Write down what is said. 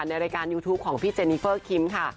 ในรายการยูทูปของพี่เจนิเฟอร์คิมค่ะ